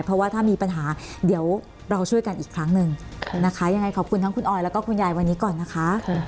เพราะว่าถ้ามีปัญหาเดี๋ยวเราช่วยกันอีกครั้งหนึ่งนะคะยังไงขอบคุณทั้งคุณออยแล้วก็คุณยายวันนี้ก่อนนะคะ